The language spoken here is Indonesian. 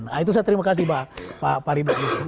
nah itu saya terima kasih pak ridwan